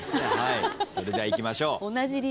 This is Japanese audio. それではいきましょう。